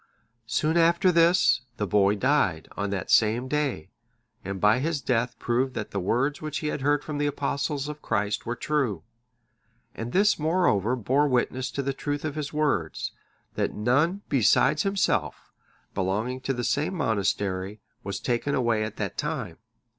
Soon after this, the boy died, on that same day; and by his death proved that the words which he had heard from the Apostles of Christ were true. And this moreover bore witness to the truth of his words, that none besides himself, belonging to the same monastery, was taken away at that time.